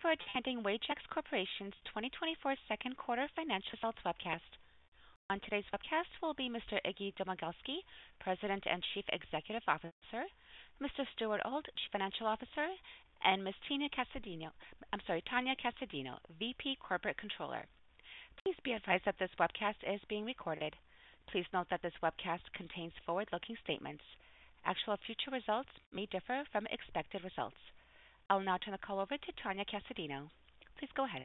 Thank you for attending Wajax Corporation's 2024 Second Quarter Financial Results Webcast. On today's webcast will be Mr. Iggy Domagalski, President and Chief Executive Officer, Mr. Stuart Auld, Chief Financial Officer, and Ms. Tania Casadinho... I'm sorry, Tania Casadinho, VP Corporate Controller. Please be advised that this webcast is being recorded. Please note that this webcast contains forward-looking statements. Actual future results may differ from expected results. I'll now turn the call over to Tania Casadinho. Please go ahead.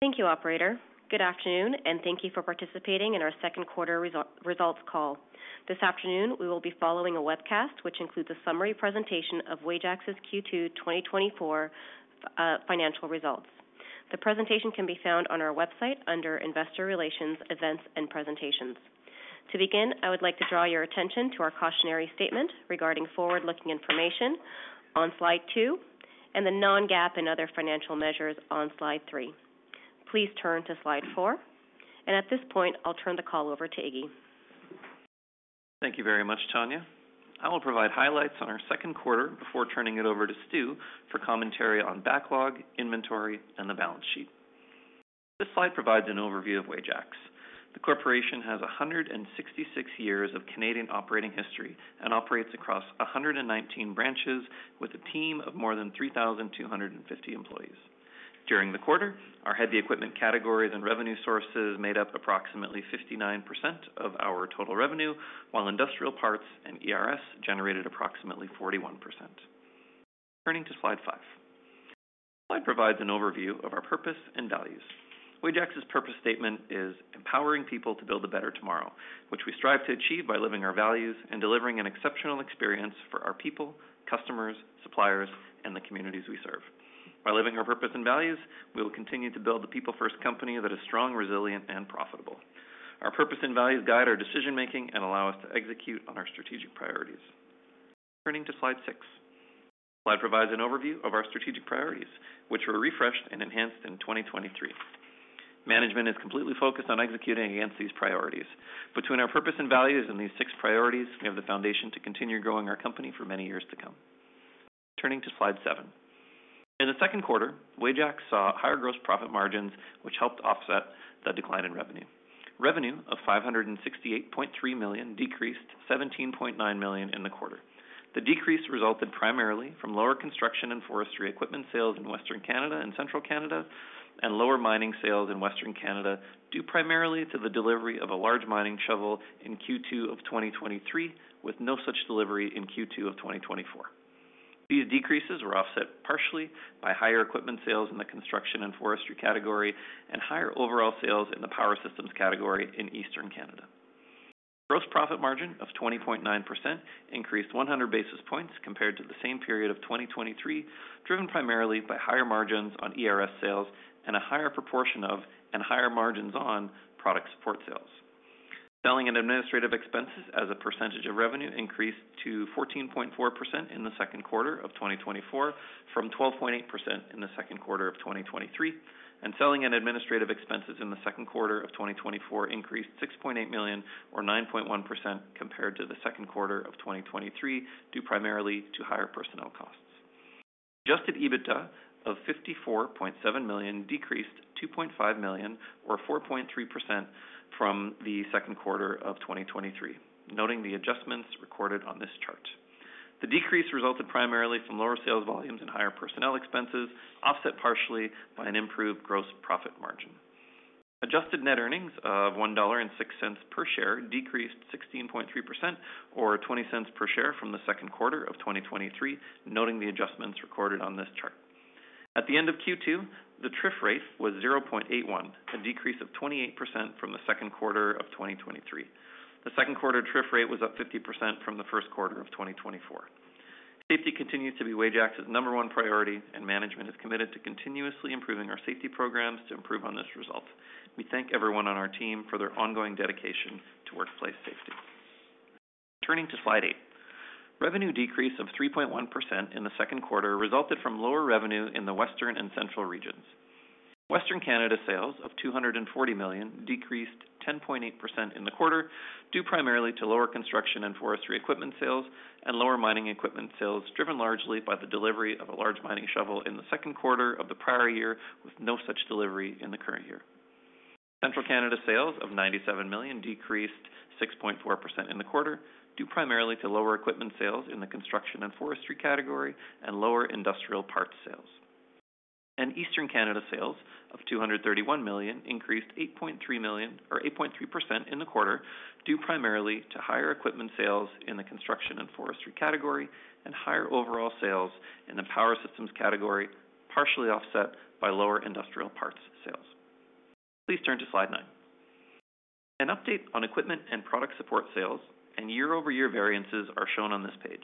Thank you, operator. Good afternoon, and thank you for participating in our second quarter results call. This afternoon, we will be following a webcast, which includes a summary presentation of Wajax's Q2 2024 Financial Results. The presentation can be found on our website under Investor Relations, Events and Presentations. To begin, I would like to draw your attention to our cautionary statement regarding forward-looking information on slide two and the non-GAAP and other financial measures on slide three. Please turn to slide four, and at this point, I'll turn the call over to Iggy. Thank you very much, Tania. I will provide highlights on our second quarter before turning it over to Stu for commentary on backlog, inventory, and the balance sheet. This slide provides an overview of Wajax. The corporation has 166 years of Canadian operating history and operates across 119 branches with a team of more than 3,250 employees. During the quarter, our heavy equipment categories and revenue sources made up approximately 59% of our total revenue, while industrial parts and ERS generated approximately 41%. Turning to slide 5. This slide provides an overview of our purpose and values. Wajax's purpose statement is: Empowering people to build a better tomorrow, which we strive to achieve by living our values and delivering an exceptional experience for our people, customers, suppliers, and the communities we serve. By living our purpose and values, we will continue to build a people-first company that is strong, resilient, and profitable. Our purpose and values guide our decision-making and allow us to execute on our strategic priorities. Turning to slide 6. This slide provides an overview of our strategic priorities, which were refreshed and enhanced in 2023. Management is completely focused on executing against these priorities. Between our purpose and values and these 6 priorities, we have the foundation to continue growing our company for many years to come. Turning to slide 7. In the second quarter, Wajax saw higher gross profit margins, which helped offset the decline in revenue. Revenue of 568.3 million decreased 17.9 million in the quarter. The decrease resulted primarily from lower construction and forestry equipment sales in Western Canada and Central Canada, and lower mining sales in Western Canada, due primarily to the delivery of a large mining shovel in Q2 of 2023, with no such delivery in Q2 of 2024. These decreases were offset partially by higher equipment sales in the construction and forestry category and higher overall sales in the power systems category in Eastern Canada. Gross profit margin of 20.9% increased 100 basis points compared to the same period of 2023, driven primarily by higher margins on ERS sales and a higher proportion of, and higher margins on, product support sales. Selling and administrative expenses as a percentage of revenue increased to 14.4% in the second quarter of 2024 from 12.8% in the second quarter of 2023, and selling and administrative expenses in the second quarter of 2024 increased 6.8 million, or 9.1% compared to the second quarter of 2023, due primarily to higher personnel costs. Adjusted EBITDA of 54.7 million decreased 2.5 million, or 4.3% from the second quarter of 2023, noting the adjustments recorded on this chart. The decrease resulted primarily from lower sales volumes and higher personnel expenses, offset partially by an improved gross profit margin. Adjusted net earnings of 1.06 dollar per share decreased 16.3%, or 0.20 per share, from the second quarter of 2023, noting the adjustments recorded on this chart. At the end of Q2, the TRIF rate was 0.81, a decrease of 28% from the second quarter of 2023. The second quarter TRIF rate was up 50% from the first quarter of 2024. Safety continues to be Wajax's number one priority, and management is committed to continuously improving our safety programs to improve on this result. We thank everyone on our team for their ongoing dedication to workplace safety. Turning to slide 8. Revenue decrease of 3.1% in the second quarter resulted from lower revenue in the Western and Central regions. Western Canada sales of 240 million decreased 10.8% in the quarter, due primarily to lower construction and forestry equipment sales and lower mining equipment sales, driven largely by the delivery of a large mining shovel in the second quarter of the prior year, with no such delivery in the current year. Central Canada sales of 97 million decreased 6.4% in the quarter, due primarily to lower equipment sales in the construction and forestry category and lower industrial parts sales. Eastern Canada sales of 231 million increased 8.3 million, or 8.3% in the quarter, due primarily to higher equipment sales in the construction and forestry category and higher overall sales in the power systems category, partially offset by lower industrial parts sales. Please turn to slide nine. An update on equipment and product support sales and year-over-year variances are shown on this page.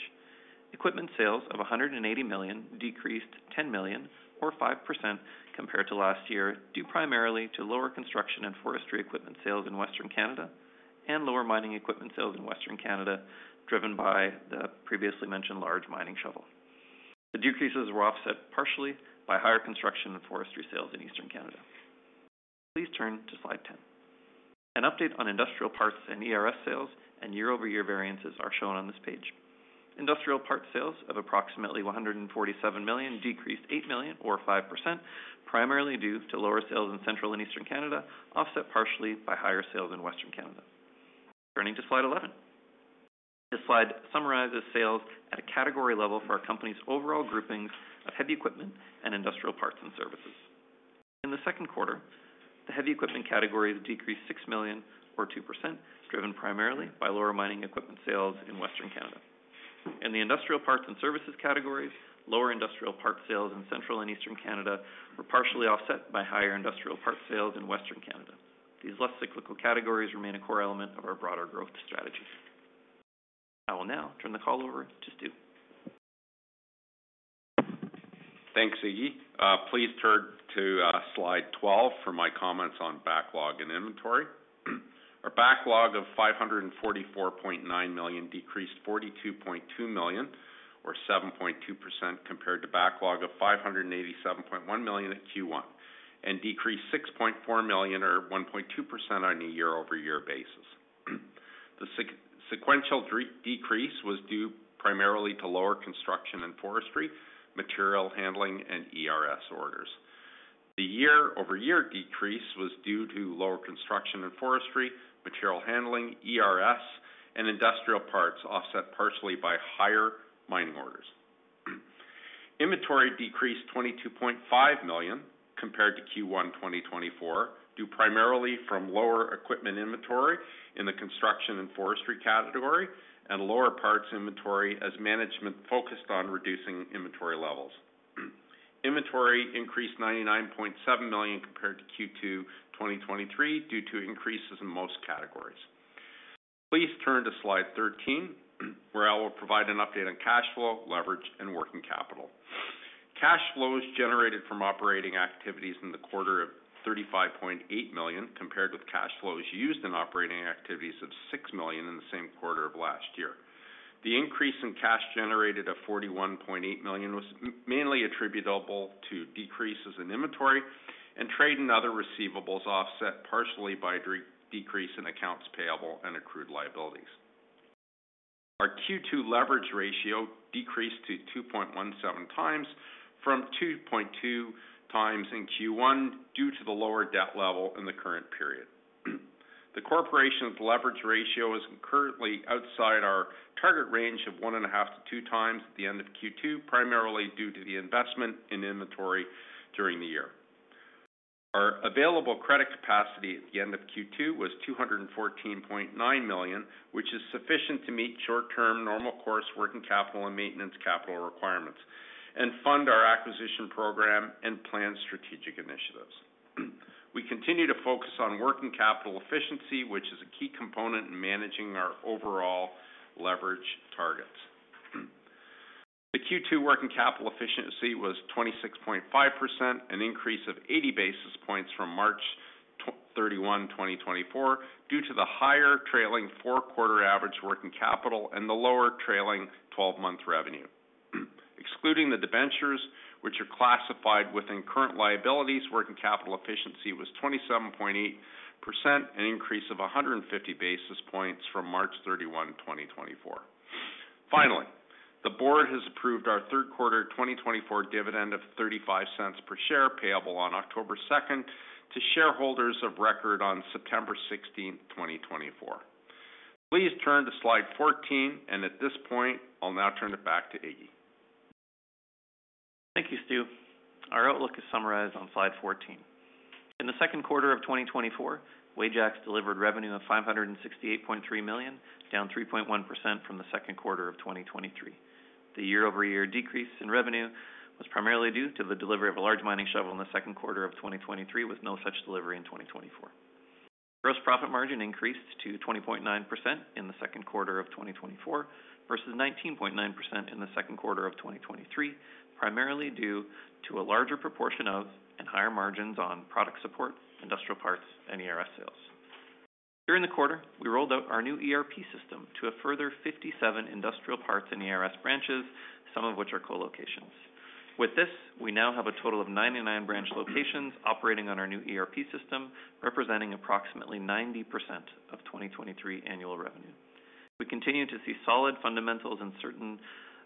Equipment sales of 180 million decreased 10 million or 5% compared to last year, due primarily to lower construction and forestry equipment sales in Western Canada and lower mining equipment sales in Western Canada, driven by the previously mentioned large mining shovel. The decreases were offset partially by higher construction and forestry sales in Eastern Canada. Please turn to slide 10. An update on industrial parts and ERS sales and year-over-year variances are shown on this page. Industrial parts sales of approximately 147 million decreased 8 million, or 5%, primarily due to lower sales in Central and Eastern Canada, offset partially by higher sales in Western Canada. Turning to slide 11. This slide summarizes sales at a category level for our company's overall groupings of heavy equipment and industrial parts and services. In the second quarter, the heavy equipment category decreased 6 million, or 2%, driven primarily by lower mining equipment sales in Western Canada. In the industrial parts and services categories, lower industrial parts sales in Central and Eastern Canada were partially offset by higher industrial parts sales in Western Canada. These less cyclical categories remain a core element of our broader growth strategies. I will now turn the call over to Stu. Thanks, Iggy. Please turn to slide twelve for my comments on backlog and inventory. Our backlog of 544.9 million decreased 42.2 million, or 7.2% compared to backlog of 587.1 million at Q1, and decreased 6.4 million, or 1.2% on a year-over-year basis. The sequential decrease was due primarily to lower construction and forestry, material handling, and ERS orders. The year-over-year decrease was due to lower construction and forestry, material handling, ERS, and industrial parts, offset partially by higher mining orders. Inventory decreased 22.5 million compared to Q1 2024, due primarily from lower equipment inventory in the construction and forestry category and lower parts inventory as management focused on reducing inventory levels. Inventory increased 99.7 million compared to Q2 2023, due to increases in most categories. Please turn to slide 13, where I will provide an update on cash flow, leverage, and working capital. Cash flows generated from operating activities in the quarter of 35.8 million, compared with cash flows used in operating activities of 6 million in the same quarter of last year. The increase in cash generated of 41.8 million was mainly attributable to decreases in inventory and trade and other receivables, offset partially by a decrease in accounts payable and accrued liabilities. Our Q2 leverage ratio decreased to 2.17 times from 2.2 times in Q1, due to the lower debt level in the current period. The corporation's leverage ratio is currently outside our target range of 1.5-2 times at the end of Q2, primarily due to the investment in inventory during the year. Our available credit capacity at the end of Q2 was 214.9 million, which is sufficient to meet short-term, normal course working capital and maintenance capital requirements, and fund our acquisition program and plan strategic initiatives. We continue to focus on working capital efficiency, which is a key component in managing our overall leverage targets. The Q2 working capital efficiency was 26.5%, an increase of 80 basis points from March 31, 2024, due to the higher trailing four quarter average working capital and the lower trailing twelve-month revenue. Excluding the debentures, which are classified within current liabilities, working capital efficiency was 27.8%, an increase of 150 basis points from March 31, 2024. Finally, the board has approved our third quarter 2024 dividend of 0.35 per share, payable on October 2, to shareholders of record on September 16, 2024. Please turn to slide 14, and at this point, I'll now turn it back to Iggy. Thank you, Stu. Our outlook is summarized on slide 14. In the second quarter of 2024, Wajax delivered revenue of 568.3 million, down 3.1% from the second quarter of 2023. The year-over-year decrease in revenue was primarily due to the delivery of a large mining shovel in the second quarter of 2023, with no such delivery in 2024. Gross profit margin increased to 20.9% in the second quarter of 2024 versus 19.9% in the second quarter of 2023, primarily due to a larger proportion of and higher margins on product support, industrial parts, and ERS sales. During the quarter, we rolled out our new ERP system to a further 57 industrial parts and ERS branches, some of which are co-locations. With this, we now have a total of 99 branch locations operating on our new ERP system, representing approximately 90% of 2023 annual revenue. We continue to see solid fundamentals in certain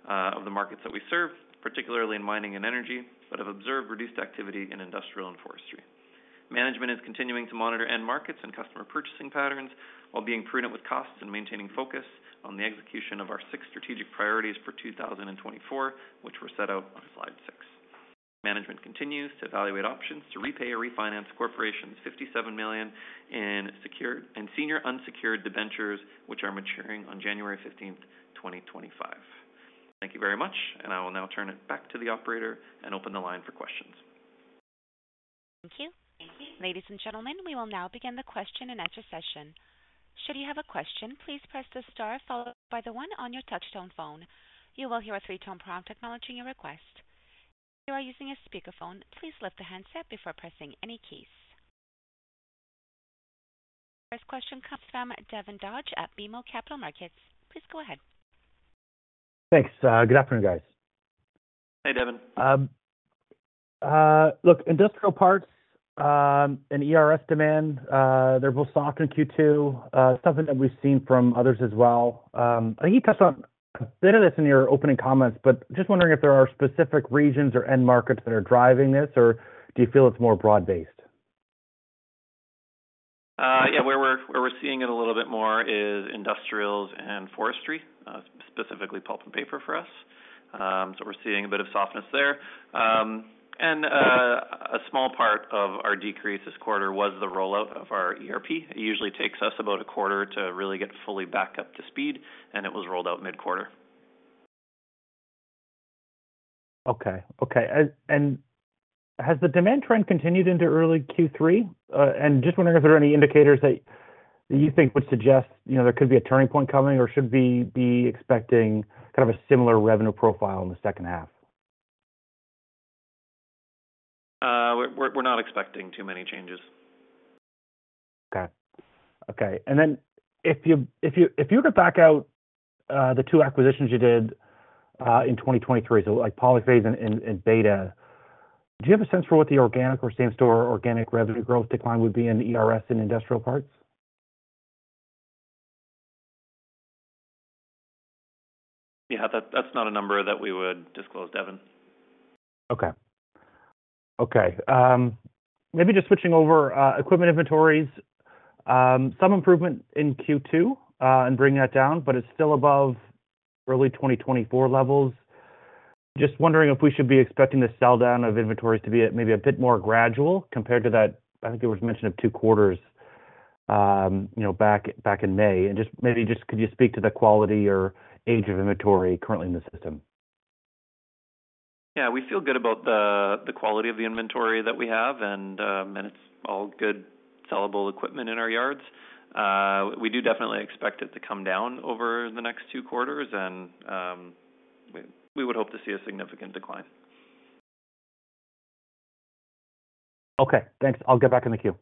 of the markets that we serve, particularly in mining and energy, but have observed reduced activity in industrial and forestry. Management is continuing to monitor end markets and customer purchasing patterns while being prudent with costs and maintaining focus on the execution of our six strategic priorities for 2024, which were set out on slide 6. Management continues to evaluate options to repay or refinance the corporation's 57 million in secured and senior unsecured debentures, which are maturing on January 15th, 2025. Thank you very much, and I will now turn it back to the operator and open the line for questions. Thank you. Ladies and gentlemen, we will now begin the question-and-answer session. Should you have a question, please press the star followed by the one on your touch-tone phone. You will hear a three-tone prompt acknowledging your request. If you are using a speakerphone, please lift the handset before pressing any keys. First question comes from Devin Dodge at BMO Capital Markets. Please go ahead. Thanks. Good afternoon, guys. Hey, Devin. Look, industrial parts and ERS demand, they're both soft in Q2, something that we've seen from others as well. I think you touched on a bit of this in your opening comments, but just wondering if there are specific regions or end markets that are driving this, or do you feel it's more broad-based? Yeah, where we're seeing it a little bit more is industrials and forestry, specifically pulp and paper for us. So we're seeing a bit of softness there. And a small part of our decrease this quarter was the rollout of our ERP. It usually takes us about a quarter to really get fully back up to speed, and it was rolled out mid-quarter. Okay. Okay, and has the demand trend continued into early Q3? And just wondering if there are any indicators that you think would suggest, you know, there could be a turning point coming, or should we be expecting kind of a similar revenue profile in the second half? We're not expecting too many changes. Okay. Okay, and then if you were to back out the two acquisitions you did in 2023, so like Polyphase and Beta, do you have a sense for what the organic or same-store organic revenue growth decline would be in the ERS and industrial parts? Yeah, that, that's not a number that we would disclose, Devin. Okay. Okay, maybe just switching over, equipment inventories, some improvement in Q2, in bringing that down, but it's still above early 2024 levels. Just wondering if we should be expecting the sell-down of inventories to be maybe a bit more gradual compared to that - I think there was mention of two quarters, you know, back, back in May. And just maybe just could you speak to the quality or age of inventory currently in the system? Yeah, we feel good about the quality of the inventory that we have, and it's all good, sellable equipment in our yards. We do definitely expect it to come down over the next two quarters, and we would hope to see a significant decline. Okay, thanks. I'll get back in the queue.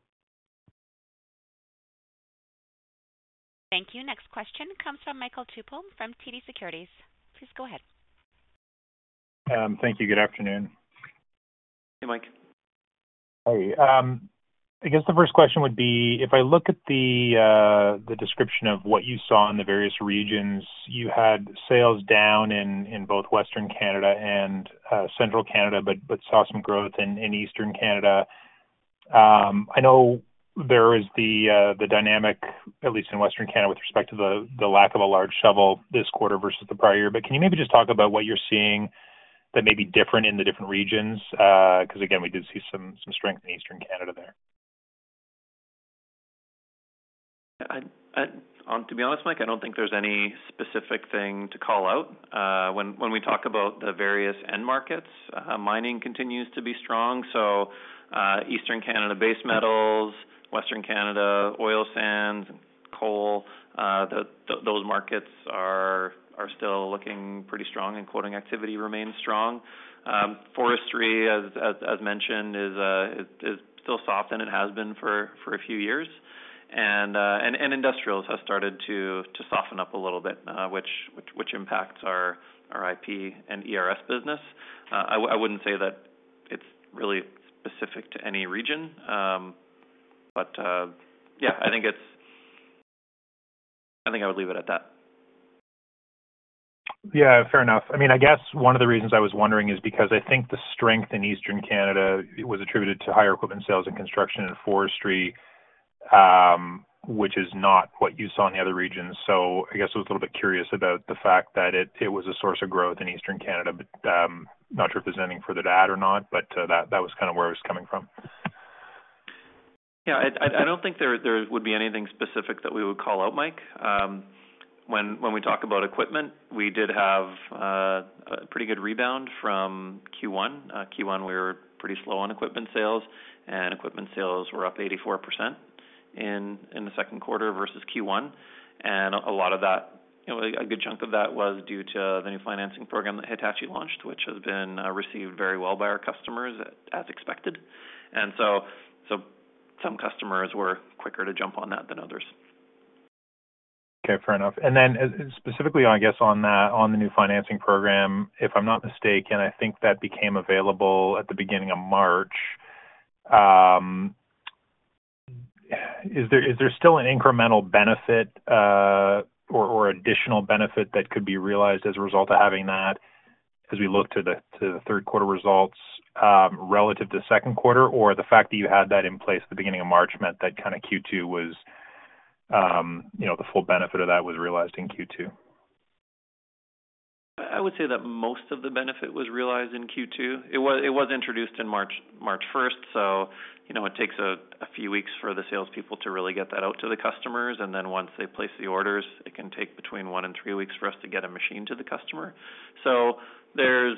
Thank you. Next question comes from Michael Tupholme from TD Securities. Please go ahead. Thank you. Good afternoon. Hey, Mike. Hey, I guess the first question would be, if I look at the description of what you saw in the various regions, you had sales down in both Western Canada and Central Canada, but saw some growth in Eastern Canada. I know there is the dynamic, at least in Western Canada, with respect to the lack of a large shovel this quarter versus the prior year. But can you maybe just talk about what you're seeing that may be different in the different regions? Because, again, we did see some strength in Eastern Canada there. To be honest, Mike, I don't think there's any specific thing to call out. When we talk about the various end markets, mining continues to be strong. So, Eastern Canada, base metals, Western Canada, oil sands, and coal, those markets are still looking pretty strong and quoting activity remains strong. Forestry, as mentioned, is still soft, and it has been for a few years. And industrials have started to soften up a little bit, which impacts our IP and ERS business. I wouldn't say that it's really specific to any region. But yeah, I think it's... I think I would leave it at that. Yeah, fair enough. I mean, I guess one of the reasons I was wondering is because I think the strength in Eastern Canada was attributed to higher equipment sales and construction in forestry, which is not what you saw in the other regions. So I guess I was a little bit curious about the fact that it was a source of growth in Eastern Canada, but not sure if there's anything further to add or not, but that was kind of where I was coming from. Yeah, I don't think there would be anything specific that we would call out, Mike. When we talk about equipment, we did have a pretty good rebound from Q1. Q1, we were pretty slow on equipment sales, and equipment sales were up 84% in the second quarter versus Q1. And a lot of that, you know, a good chunk of that was due to the new financing program that Hitachi launched, which has been received very well by our customers, as expected. And so some customers were quicker to jump on that than others. Okay, fair enough. And then specifically, I guess, on the new financing program, if I'm not mistaken, I think that became available at the beginning of March. Is there still an incremental benefit, or additional benefit that could be realized as a result of having that as we look to the third quarter results, relative to second quarter? Or the fact that you had that in place at the beginning of March meant that kind of Q2 was, you know, the full benefit of that was realized in Q2? I would say that most of the benefit was realized in Q2. It was introduced in March first, so, you know, it takes a few weeks for the salespeople to really get that out to the customers, and then once they place the orders, it can take between one and three weeks for us to get a machine to the customer. So there's...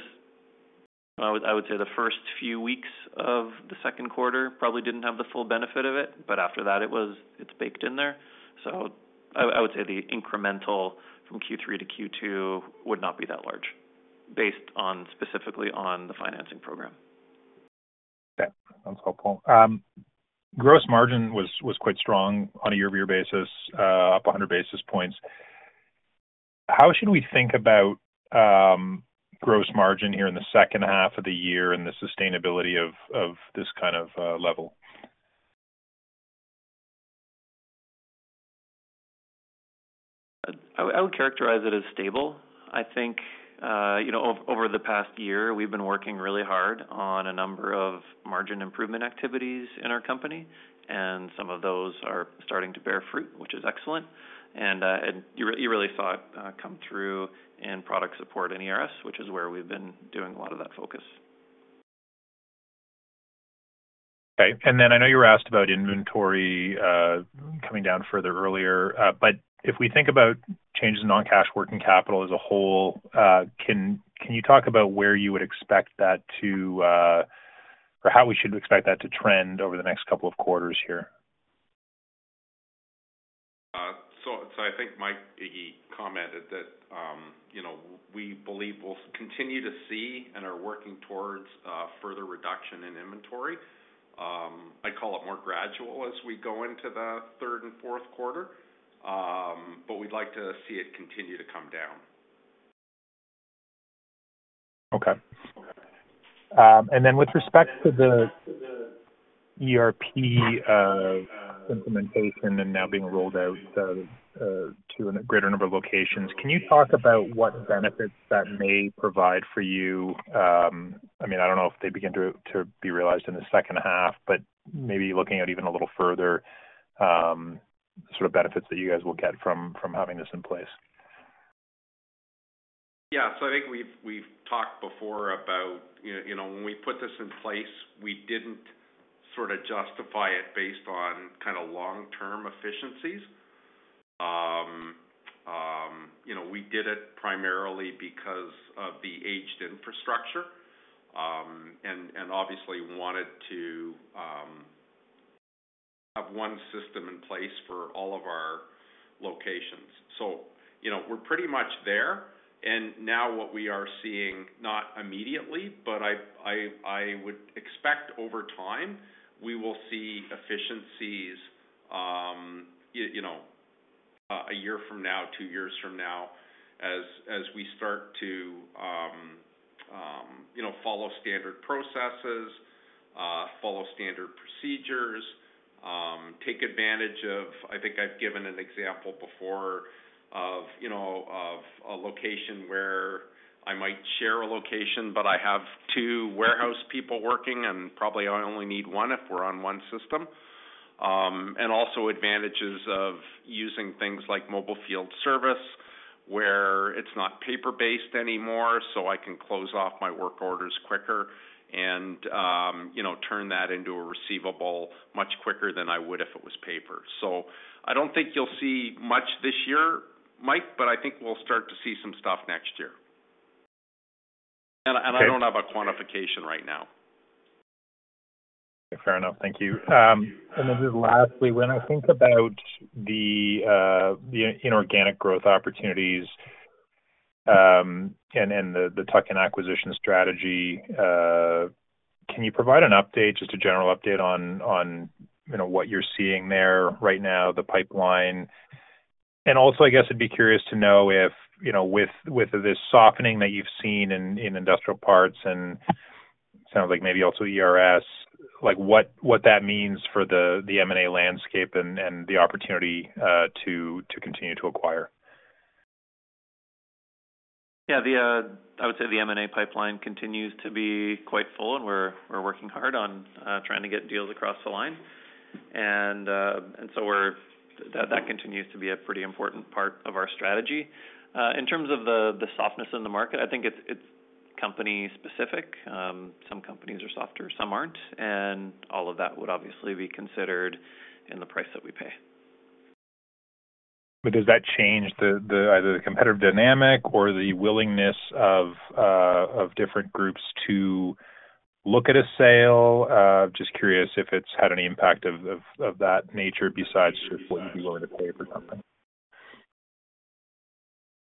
I would say the first few weeks of the second quarter probably didn't have the full benefit of it, but after that it was. It's baked in there. So I would say the incremental from Q3 to Q2 would not be that large, based specifically on the financing program.... Yeah, that's helpful. Gross margin was quite strong on a year-over-year basis, up 100 basis points. How should we think about gross margin here in the second half of the year and the sustainability of this kind of level? I would, I would characterize it as stable. I think, you know, over the past year, we've been working really hard on a number of margin improvement activities in our company, and some of those are starting to bear fruit, which is excellent. And, you really saw it come through in product support and ERS, which is where we've been doing a lot of that focus. Okay. And then I know you were asked about inventory coming down further earlier, but if we think about changes in non-cash working capital as a whole, can you talk about where you would expect that to... Or how we should expect that to trend over the next couple of quarters here? So, I think Mike, Iggy commented that, you know, we believe we'll continue to see and are working towards further reduction in inventory. I call it more gradual as we go into the third and fourth quarter, but we'd like to see it continue to come down. Okay. And then with respect to the ERP implementation and now being rolled out to a greater number of locations, can you talk about what benefits that may provide for you? I mean, I don't know if they begin to be realized in the second half, but maybe looking at even a little further, sort of benefits that you guys will get from having this in place. Yeah. So I think we've talked before about, you know, when we put this in place, we didn't sort of justify it based on kind of long-term efficiencies. You know, we did it primarily because of the aged infrastructure, and obviously wanted to have one system in place for all of our locations. So, you know, we're pretty much there. And now what we are seeing, not immediately, but I would expect over time, we will see efficiencies, you know, a year from now, two years from now, as we start to, you know, follow standard processes, follow standard procedures, take advantage of... I think I've given an example before of, you know, of a location where I might share a location, but I have two warehouse people working, and probably I only need one if we're on one system. And also advantages of using things like mobile field service, where it's not paper-based anymore, so I can close off my work orders quicker and, you know, turn that into a receivable much quicker than I would if it was paper. So I don't think you'll see much this year, Mike, but I think we'll start to see some stuff next year. Okay. And I don't have a quantification right now. Fair enough. Thank you. And then just lastly, when I think about the inorganic growth opportunities, and the tuck-in acquisition strategy, can you provide an update, just a general update on, you know, what you're seeing there right now, the pipeline? And also, I guess I'd be curious to know if, you know, with this softening that you've seen in industrial parts, and sounds like maybe also ERS, like, what that means for the M&A landscape and the opportunity to continue to acquire? Yeah, I would say the M&A pipeline continues to be quite full, and we're working hard on trying to get deals across the line. And so we're—that continues to be a pretty important part of our strategy. In terms of the softness in the market, I think it's company-specific. Some companies are softer, some aren't, and all of that would obviously be considered in the price that we pay. But does that change either the competitive dynamic or the willingness of different groups to look at a sale? Just curious if it's had any impact of that nature besides just what you're willing to pay for something.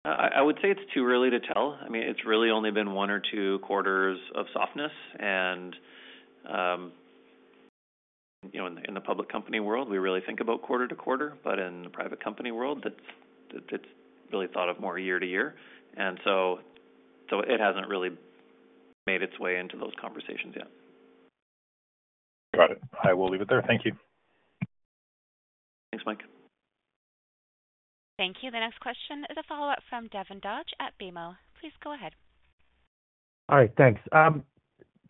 I would say it's too early to tell. I mean, it's really only been one or two quarters of softness and, you know, in the public company world, we really think about quarter to quarter, but in the private company world, it's really thought of more year-to-year, and so it hasn't really made its way into those conversations yet. Got it. I will leave it there. Thank you. Thanks, Mike. Thank you. The next question is a follow-up from Devin Dodge at BMO. Please go ahead. All right, thanks.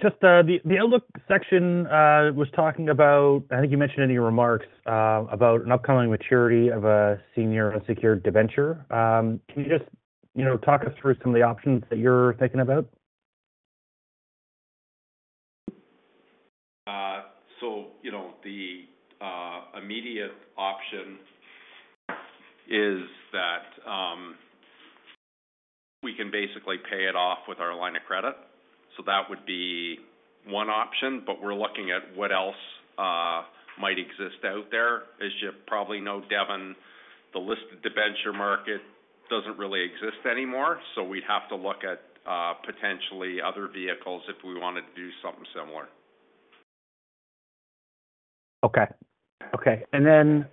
Just the outlook section was talking about, I think you mentioned in your remarks, about an upcoming maturity of a senior unsecured debenture. Can you just, you know, talk us through some of the options that you're thinking about? So, you know, the immediate option is that we can basically pay it off with our line of credit, so that would be one option, but we're looking at what else might exist out there. As you probably know, Devin, the listed debenture market doesn't really exist anymore, so we'd have to look at potentially other vehicles if we wanted to do something similar. Okay. Okay, and then,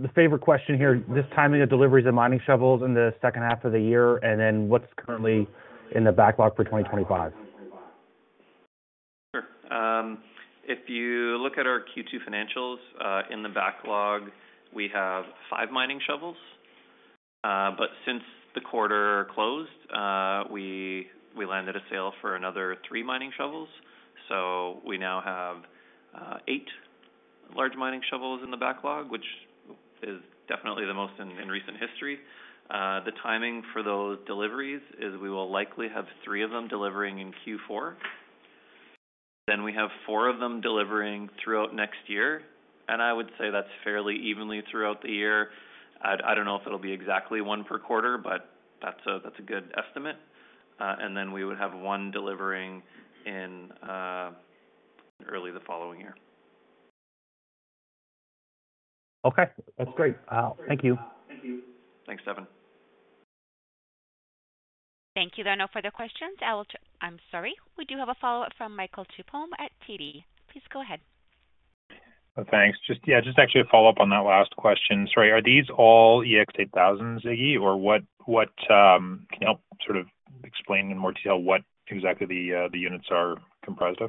the favorite question here, this timing of deliveries of mining shovels in the second half of the year, and then what's currently in the backlog for 2025? Sure. If you look at our Q2 financials, in the backlog, we have 5 mining shovels. But since the quarter closed, we we landed a sale for another 3 mining shovels. So we now have 8 large mining shovels in the backlog, which is definitely the most in recent history. The timing for those deliveries is we will likely have 3 of them delivering in Q4. Then we have 4 of them delivering throughout next year, and I would say that's fairly evenly throughout the year. I don't know if it'll be exactly 1 per quarter, but that's a good estimate. And then we would have 1 delivering in early the following year. Okay, that's great. Thank you. Thanks, Devin. Thank you. There are no further questions. I'm sorry. We do have a follow-up from Michael Tupholme at TD. Please go ahead. Thanks. Just, yeah, just actually a follow-up on that last question. Sorry, are these all EX8000s, Iggy, or what, what can you help sort of explain in more detail what exactly the units are comprised of?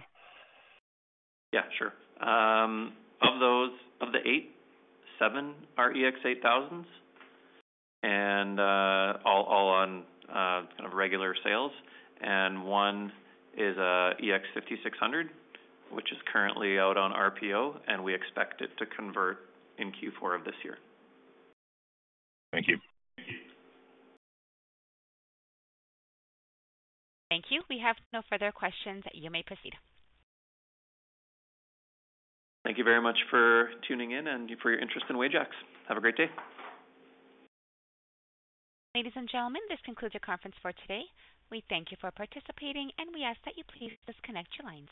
Yeah, sure. Of those, of the 8, 7 are EX8000s, and all on kind of regular sales, and one is an EX5600, which is currently out on RPO, and we expect it to convert in Q4 of this year. Thank you. Thank you. We have no further questions. You may proceed. Thank you very much for tuning in and for your interest in Wajax. Have a great day. Ladies and gentlemen, this concludes your conference for today. We thank you for participating, and we ask that you please disconnect your lines.